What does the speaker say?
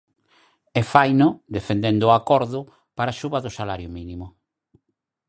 E faino defendendo o acordo para a suba do salario mínimo.